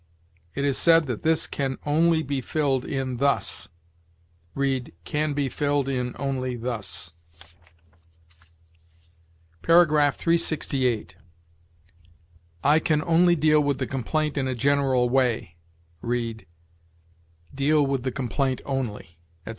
"It is said that this can only be filled in thus"; read, "can be filled in only thus." 368. "I can only deal with the complaint in a general way"; read, "deal with the complaint only," etc.